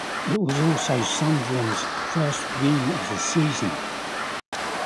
It was also Sunderland's first win of the season.